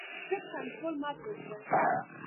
د موټر کنټرول مه پریږده.